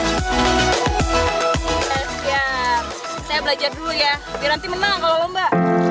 saya belajar dulu ya biar nanti menang kalau lomba